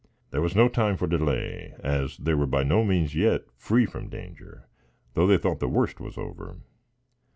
There was no time for delay, as they were by no means yet free from danger, though they thought that the worst was over.